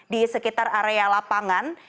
di sekitar area lapangan